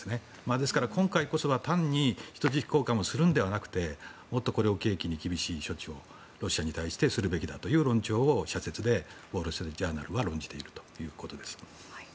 ですから今回こそは単に人質交換をするのではなくてもっとこれを契機に厳しい処置をロシアに対してするべきだという論調を社説でウォール・ストリート・ジャーナルは論じているということです。